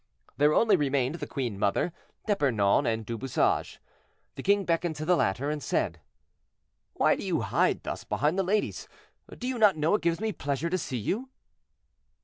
There only remained the queen mother, D'Epernon, and Du Bouchage. The king beckoned to the latter, and said: "Why do you hide thus behind the ladies; do you not know it gives me pleasure to see you?"